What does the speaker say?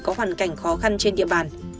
hoàn cảnh khó khăn trên địa bàn